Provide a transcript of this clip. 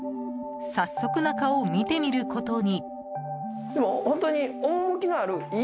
早速、中を見てみることに。